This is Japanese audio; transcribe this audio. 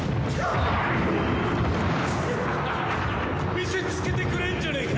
見せつけてくれんじゃねえか